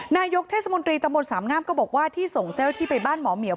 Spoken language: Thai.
นายกเทศมนตรีตำบลสามงามก็บอกว่าที่ส่งเจ้าหน้าที่ไปบ้านหมอเหมีย